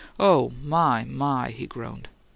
"OH, my, my!" he groaned.